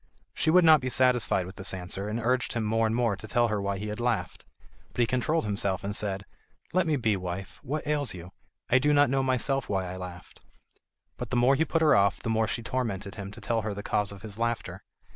She would not be satisfied with this answer, and urged him more and more to tell her why he had laughed. But he controlled himself and said: "Let me be, wife; what ails you? I do not know myself why I laughed." But the more he put her off, the more she tormented him to tell her the cause of his laughter.